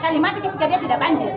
kalimatik jika dia tidak banjir